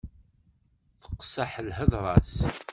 Teqseḥ lhedra-s.